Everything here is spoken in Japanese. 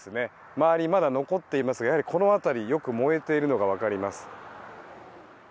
周り、まだ残っていますがこの辺りよく燃えているのが分かります。